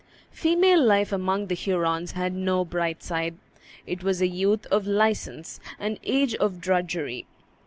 Female life among the Hurons had no bright side. It was a youth of license, an age of drudgery.